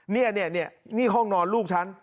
นี่นี่ห้องนอนลูกฉัน